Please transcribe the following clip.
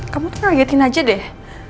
kamu tuh nge agetin aja deh